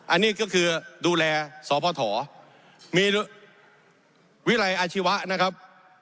อันนี้ก็คือดูแลสพมีวิรัยอาชีวะนะครับ